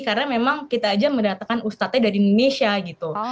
karena kita aja mendatangkan ustadznya dari indonesia gitu